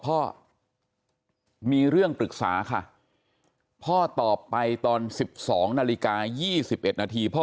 พ่อมีเรื่องปรึกษาค่ะพ่อตอบไปตอน๑๒นาฬิกา๒๑นาทีพ่อ